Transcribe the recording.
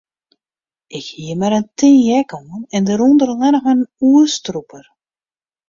Ik hie mar in tin jack oan en dêrûnder allinnich mar in oerstrûper.